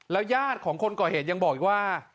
แล้วย่าดของคนก่อเหตุยังบอกว่า